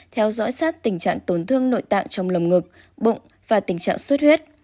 theo dõi sát tình trạng tổn thương nội tạng trong lồng ngực bụng và tình trạng xuất huyết